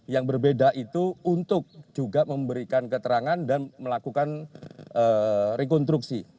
yang berbeda itu untuk juga memberikan keterangan dan melakukan rekonstruksi